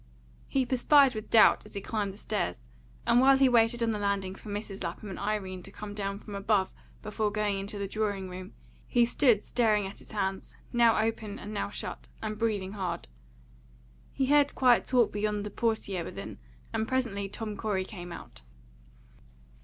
He perspired with doubt as he climbed the stairs, and while he waited on the landing for Mrs. Lapham and Irene to come down from above before going into the drawing room, he stood staring at his hands, now open and now shut, and breathing hard. He heard quiet talking beyond the portiere within, and presently Tom Corey came out.